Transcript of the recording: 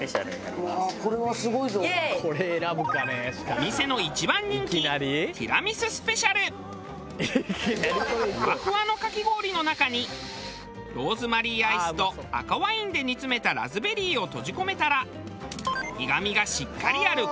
お店の一番人気フワフワのかき氷の中にローズマリーアイスと赤ワインで煮詰めたラズベリーを閉じ込めたら苦みがしっかりある